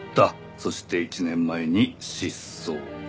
そして１年前に失踪。